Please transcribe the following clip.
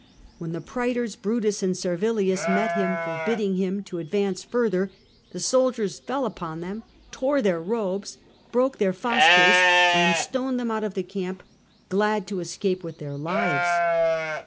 When the praetors Brutus and Servilius met him, for bidding him to advance further, the soldiers fell upon them, tore their robes, broke their fasces, and stoned them out of the camp, glad to escape with their lives.